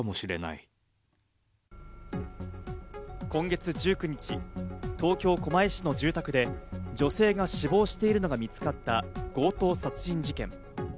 今月１９日、東京・狛江市の住宅で女性が死亡しているのが見つかった強盗殺人事件。